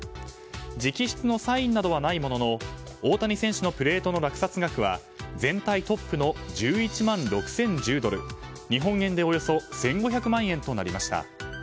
直筆のサインなどはないものの大谷選手のネームプレートの落札額は全体トップの１１万６０１０ドル日本円でおよそ１５００万円となりました。